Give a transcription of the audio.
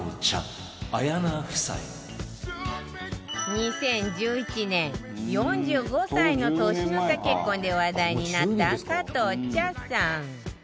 ２０１１年４５歳の年の差結婚で話題になった加藤茶さん